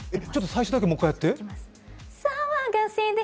最初だけもう一回やって。